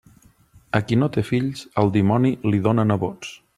A qui no té fills, el dimoni li dóna nebots.